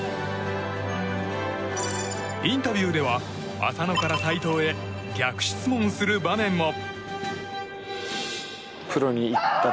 インタビューでは浅野から斎藤へ逆質問する場面も。